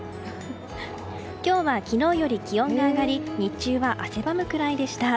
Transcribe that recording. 今日は昨日より気温が上がり日中は汗ばむくらいでした。